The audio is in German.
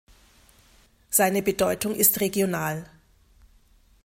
Seine Bedeutung ist regional.